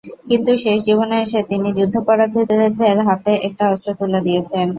কিন্তু শেষ জীবনে এসে তিনি যুদ্ধাপরাধীদের হাতে একটা অস্ত্র তুলে দিয়েছেন।